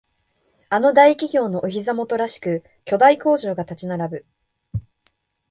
あの大企業のお膝元らしく巨大工場が立ち並ぶ